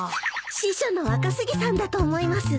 司書の若杉さんだと思います。